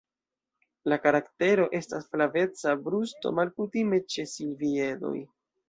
La karaktero estas flaveca brusto malkutime ĉe silviedoj.